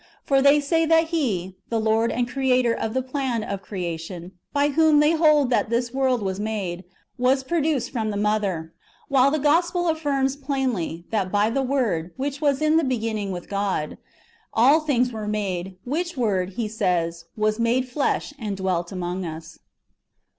For they say that he, the Lord and Creator of the plan of creation, by whom tliey hold that this world was made, w^as produced from the Mother ; wdiile the Gospel affirms plainly, that by the Word, which was in the beginning with God, all things were made, which Word, he says, " was made flesh, and dwelt among us."